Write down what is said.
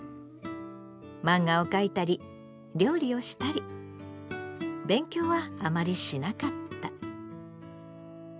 マンガを描いたり料理をしたり勉強はあまりしなかった。